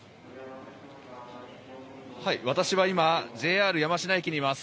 私は今、ＪＲ山科駅にいます。